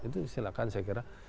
itu silahkan saya kira